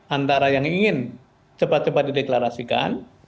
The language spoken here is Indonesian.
antara yang ingin cepat cepat dideklarasikan